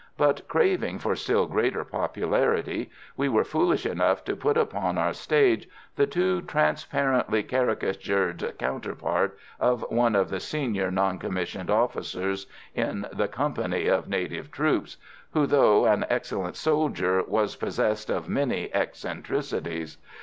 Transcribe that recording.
But, craving for still greater popularity, we were foolish enough to put upon our stage the too transparently caricatured counterpart of one of the senior non commissioned officers in the company of native troops, who, though an excellent soldier, was possessed of many eccentricities.